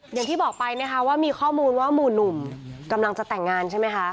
อย่างที่บอกไปนะคะว่ามีข้อมูลว่าหมู่หนุ่มกำลังจะแต่งงานใช่ไหมคะ